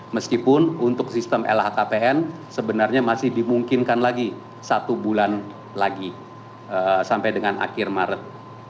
meskipun untuk sistem lhkpn sebenarnya masih dimungkinkan lagi satu bulan lagi sampai dengan akhir maret